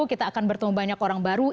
kita akan bertemu banyak orang baru